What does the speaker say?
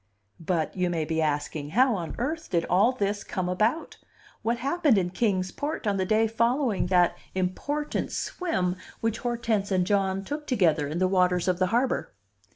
But (you may be asking) how on earth did all this come about? What happened in Kings Port on the day following that important swim which Hortense and John took together in the waters of the harbor?